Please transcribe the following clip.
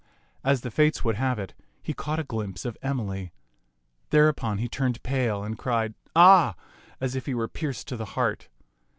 As the Fates would have it, he caught a glimpse of Emily. Thereupon he turned pale and cried " Ah !" as if he were pierced to the heart.